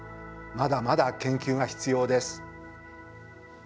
まだまだ研究が必要です。